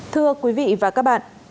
thưa quý vị và các bạn